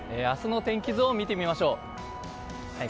明日の天気図を見てみましょう。